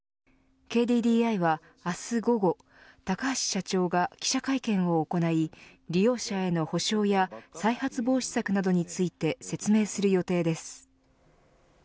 ＫＤＤＩは、明日午後高橋社長が記者会見を行い利用者への補償や再発防止策などについて説明する予定です。